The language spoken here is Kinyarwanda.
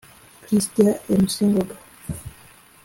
Christian & Mc Ngoga